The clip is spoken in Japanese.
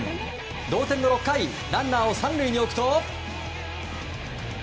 同点の６回ランナーを３塁に置くと。